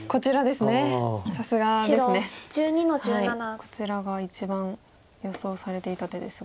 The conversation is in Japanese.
こちらが一番予想されていた手ですが。